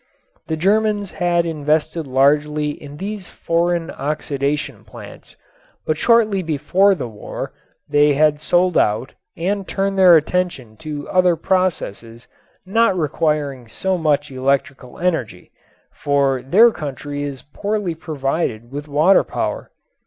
The Germans had invested largely in these foreign oxidation plants, but shortly before the war they had sold out and turned their attention to other processes not requiring so much electrical energy, for their country is poorly provided with water power.